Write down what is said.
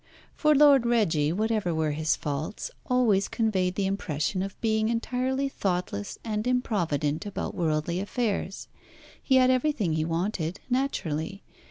For Lord Reggie, whatever were his faults, always conveyed the impression of being entirely thoughtless and improvident about worldly affairs. He had everything he wanted, naturally.